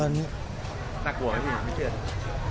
น่ากลัวไหมพี่พี่เชื่อน